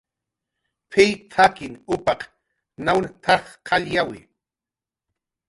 "P""iy t""akin upaq nawn t""aj qallyawi"